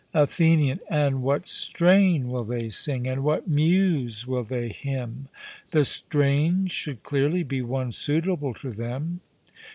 ATHENIAN: And what strain will they sing, and what muse will they hymn? The strain should clearly be one suitable to them.